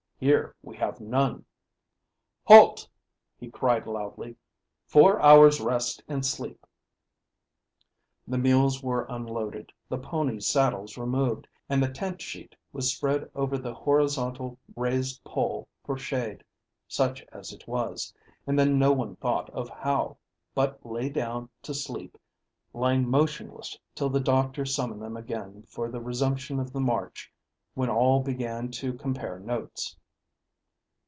Here we have none. Halt!" he cried loudly. "Four hours' rest and sleep." The mules were unloaded, the ponies' saddles removed, and the tent sheet was spread over the horizontal raised pole for shade, such as it was; and then no one thought of how, but lay down to sleep, lying motionless till the doctor summoned them again for the resumption of the march, when all began to compare notes.